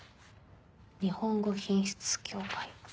日本語品質協会。